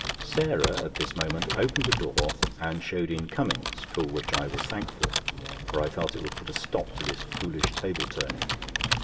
Sarah at this moment opened the door and showed in Cummings, for which I was thankful, for I felt it would put a stop to this foolish table turning.